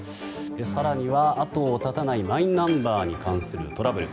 更には、後を絶たないマイナンバーに関するトラブル。